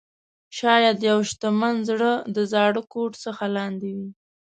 شاید یو شتمن زړه د زاړه کوټ څخه لاندې وي.